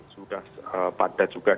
sudah padat juga